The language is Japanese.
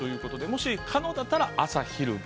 もし可能だったら朝・昼・晩。